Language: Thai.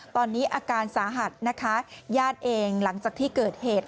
ตอนนี้อาการสาหัสนะคะญาติเองหลังจากที่เกิดเหตุ